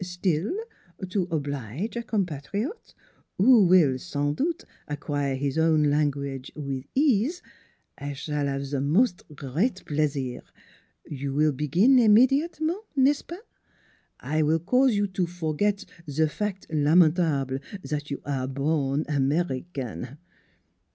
" Still to oblige a compatriote who will, sans doute, ac quire his own language with ease I s'all have ze mos' great plaisir. You will begin imme diatement, n'est ce pas? I will cause you to for get ze fac' lamentable zat you aire born Ameri caine."